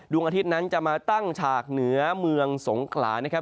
อาทิตย์นั้นจะมาตั้งฉากเหนือเมืองสงขลานะครับ